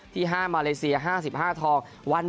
ที่๕มาเลเซีย๕๕ทอง